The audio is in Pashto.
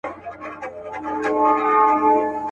هم خوارځواکی هم ناروغه هم نېستمن وو.